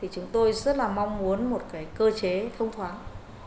chúng tôi rất là mong muốn một cơ chế thông thoáng